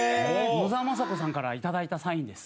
野沢雅子さんからいただいたサインです。